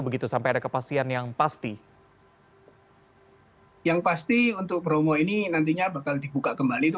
begitu sampai ada kepastian yang pasti yang pasti untuk bromo ini nantinya bakal dibuka kembali itu